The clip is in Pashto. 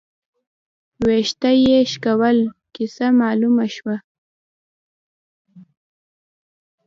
، وېښته يې شکول، کيسه مالومه شوه